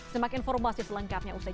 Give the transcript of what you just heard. semakin formasi selengkapnya usai jenah